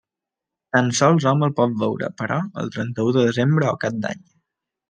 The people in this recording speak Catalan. Tan sols hom el pot veure, però, el trenta-u de desembre o cap d'any.